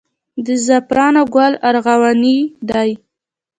د زعفرانو ګل ارغواني دی